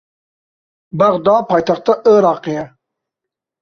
Bexda paytexta Iraqê ye.